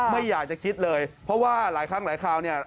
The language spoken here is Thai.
ไม่อยากจะคิดเลยเพราะว่าหลายครั้งหลายคราวเนี่ย